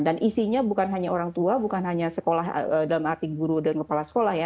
dan isinya bukan hanya orang tua bukan hanya sekolah dalam arti guru dan kepala sekolah ya